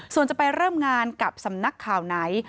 ส่วนจะไปเริ่มงานกับสำนักข่าวไหน